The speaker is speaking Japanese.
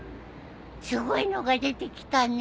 すごいのが出てきたね。